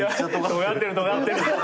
とがってるとがってる。